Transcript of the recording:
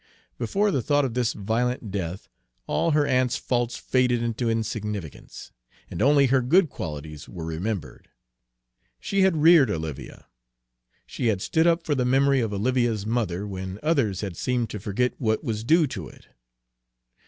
Before the thought of this violent death all her aunt's faults faded into insignificance, and only her good qualities were remembered. She had reared Olivia; she had stood up for the memory of Olivia's mother when others had seemed to forget what was due to it.